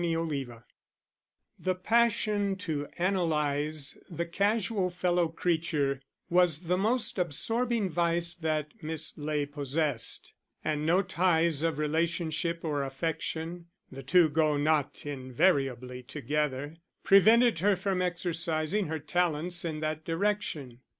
Chapter XII The passion to analyse the casual fellow creature was the most absorbing vice that Miss Ley possessed; and no ties of relationship or affection (the two go not invariably together) prevented her from exercising her talents in that direction.